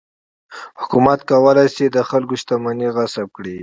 حکومت کولای شي چې د خلکو شتمنۍ غصب کړي.